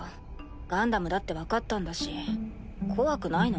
ガンダムだって分かったんだし怖くないの？